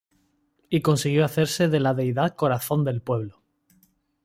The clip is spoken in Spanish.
Y consiguió hacerse de la deidad Corazón del Pueblo.